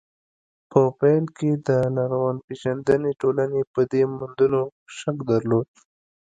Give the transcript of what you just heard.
په پيل کې د لرغونپېژندنې ټولنې په دې موندنو شک درلود.